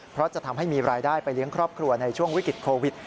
เพราะจะทำให้มีรายได้ไปเลี้ยงครอบครัวในช่วงวิกฤตโควิด